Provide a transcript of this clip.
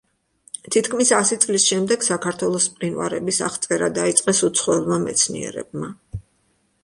თითქმის ასი წლის შემდეგ საქართველოს მყინვარების აღწერა დაიწყეს უცხოელმა მეცნიერებმა.